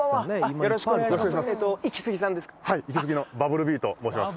よろしくお願いします